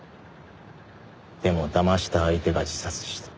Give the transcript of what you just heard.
でもだました相手が自殺した。